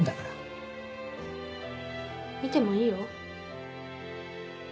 見てもいいよ。